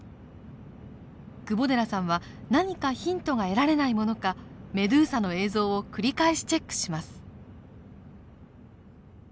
窪寺さんは何かヒントが得られないものかメドゥーサの映像を繰り返しチェックします。